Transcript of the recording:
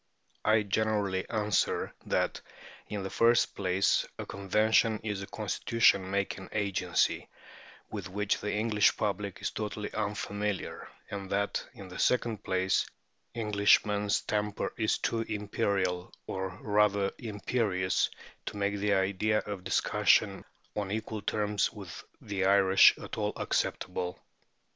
I generally answer that, in the first place, a convention is a constitution making agency with which the English public is totally unfamiliar, and that, in the second place, Englishmen's temper is too imperial, or rather imperious, to make the idea of discussion on equal terms with the Irish at all acceptable.